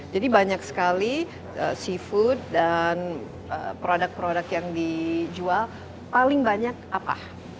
jadi banyak sekali seafood dan produk produk yang dijual paling banyak apa